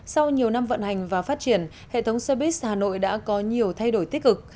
sau nhiều năm vận hành và phát triển hệ thống xe buýt hà nội đã có nhiều thay đổi tích cực